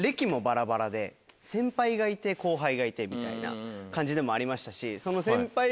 先輩がいて後輩がいてみたいな感じでもありましたしその。